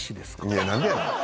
いやなんでやねん。